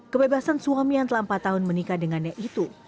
kebebasan suami yang telah empat tahun menikah dengannya itu